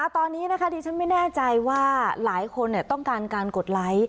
ตอนนี้ดิฉันไม่แน่ใจว่าหลายคนต้องการการกดไลค์